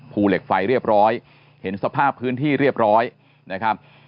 ภูเหล็กไฟเรียบร้อยเห็นสภาพพื้นที่เรียบร้อยนะครับ